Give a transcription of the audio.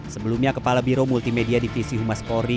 sebelumnya kepala biro multimedia divisi humas polri